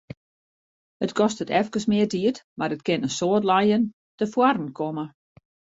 It kostet efkes mear tiid, mar it kin in soad lijen tefoaren komme.